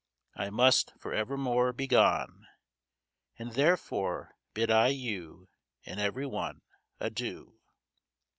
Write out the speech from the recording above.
I must, for evermore, be gone; And therefore bid I you, And every one, Adieu!